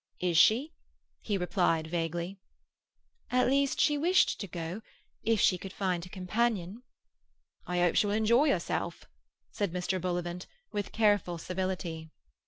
"Is she?" he replied vaguely. "At least she wished to go—if she could find a companion." "I hope she will enjoy herself," said Mr. Bullivant, with careful civility.